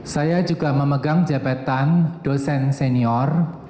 saya juga memegang jabatan dosen senior